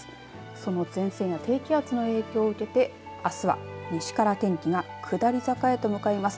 その前線や低気圧の影響を受けてあすは西から天気が下り坂へと向かいます。